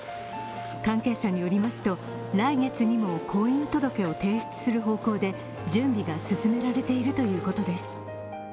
関係者によりますと来月にも婚姻届を提出する方向で準備が進められているということです。